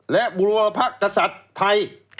และบุรพกษัตริย์ไทย